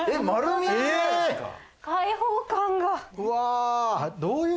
開放感が！